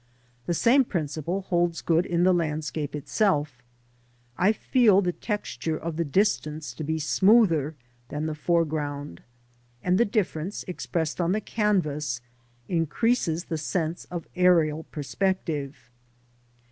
The same principle holds good in the landscape itself; I feel the texture of the distance to be smoother than the foreground, and the difference, expressed on the canvas, increases the sense of aerial perspective.